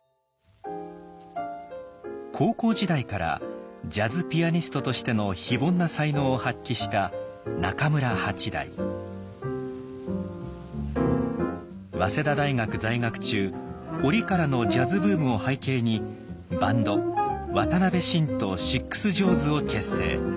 高校時代からジャズピアニストとしての非凡な才能を発揮した早稲田大学在学中折からのジャズブームを背景にバンド「渡辺晋とシックス・ジョーズ」を結成。